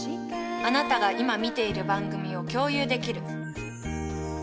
あなたが今見ている番組を共有できる。